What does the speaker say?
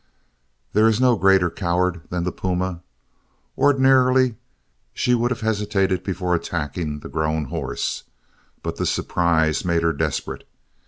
There is no greater coward than the puma. Ordinarily she would have hesitated before attacking the grown horse, but the surprise made her desperate.